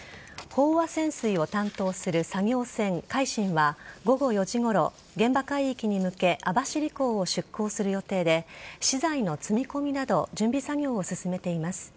飽和潜水を担当する作業船「海進」は午後４時ごろ、現場海域に向け網走港を出港する予定で資材の積み込みなど準備作業を進めています。